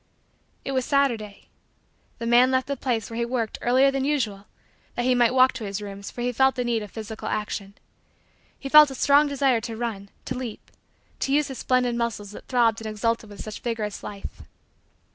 It was Saturday. The man left the place where he worked earlier than usual that he might walk to his rooms for he felt the need of physical action. He felt a strong desire to run, to leap, to use his splendid muscles that throbbed and exulted with such vigorous life.